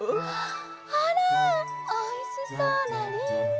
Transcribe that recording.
あらおいしそうなりんご。